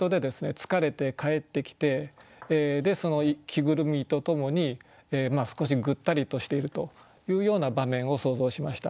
疲れて帰ってきてその着ぐるみとともに少しぐったりとしているというような場面を想像しました。